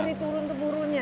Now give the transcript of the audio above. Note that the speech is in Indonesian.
dari turun ke burunya